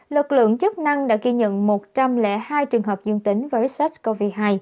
lực lượng chức năng đã ghi nhận một trăm linh hai trường hợp dương tính với sars cov hai